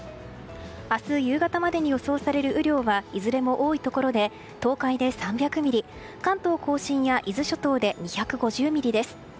明日夕方までに予想される雨量はいずれも多いところで東海で３００ミリ関東・甲信や伊豆諸島で２５０ミリです。